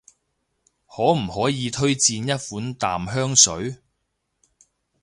可唔可以推薦一款淡香水？